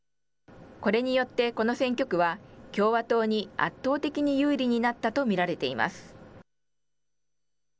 これによって、この選挙区は共和党に圧倒的に有利になったと見られています。